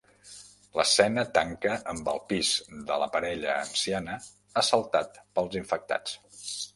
L'escena tanca amb el pis de la parella anciana assaltat pels infectats.